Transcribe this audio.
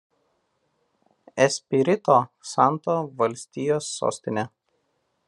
Espirito Santo valstijos sostinė.